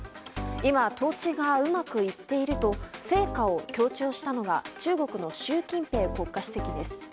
今、統治がうまくいっていると成果を強調したのが中国の習近平国家主席です。